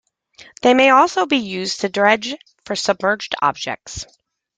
They may also be used to dredge for submerged objects.